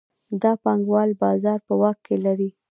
دا پانګوال بازار په واک کې لري